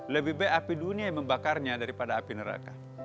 lebih baik api dunia yang membakarnya daripada api neraka